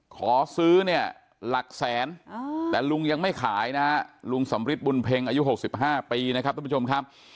ขอซื้อเนี่ยหลักแสนแต่ลุงยังไม่ขายนะฮะลุงสำริทบุญเพ็งอายุ๖๕ปีนะครับทุกผู้ชมครับ